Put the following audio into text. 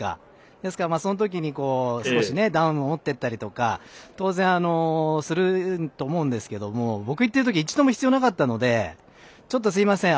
ですから、そのときに少しダウンを持ってったりとか当然すると思うんですけど僕、行ってるとき一度も必要なかったのでちょっとすいません